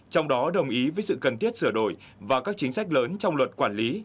trong đó đồng ý với sự cần thiết sửa đổi và các chính sách lớn trong luật quản lý